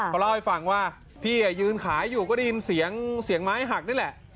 เขาเล่าให้ฟังว่าพี่ยืนขายอยู่ก็ได้ยินเสียงเสียงไม้หักนี่แหละ